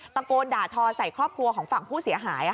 ตะโกนด่าทอใส่ครอบครัวของฝั่งผู้เสียหาย